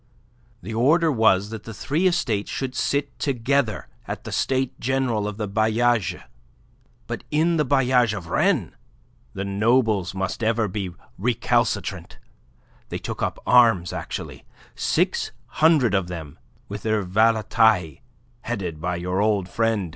The order was that the three estates should sit together at the States General of the bailliages, but in the bailliage of Rennes the nobles must ever be recalcitrant. They took up arms actually six hundred of them with their valetaille, headed by your old friend M.